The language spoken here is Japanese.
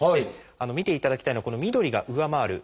見ていただきたいのはこの緑が上回る。